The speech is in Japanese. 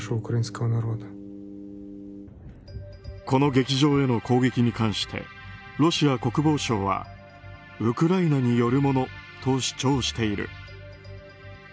この劇場への攻撃に関してロシア国防省はウクライナによるものと主張している。